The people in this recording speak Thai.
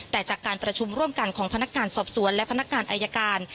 แต่จากการประชุมร่วมกันของพนักงานสอบสวนและพนักงานอายการ